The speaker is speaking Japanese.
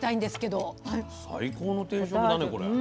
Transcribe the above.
最高の定食だねこれ。